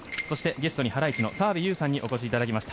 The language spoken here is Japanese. ゲストにハライチの澤部佑さんにお越しいただきました。